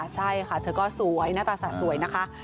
ใช่ค่ะเธอก็สวยหน้าตาสะสวยนะคะ